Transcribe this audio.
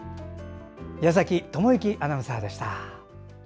矢崎智之アナウンサーでした。